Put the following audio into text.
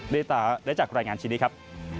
ได้ตาได้จากรายงานชิ้นนี้ครับ